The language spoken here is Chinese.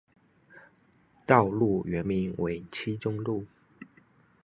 道路原名为七中路。